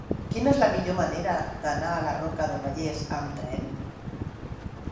Quina és la millor manera d'anar a la Roca del Vallès amb tren?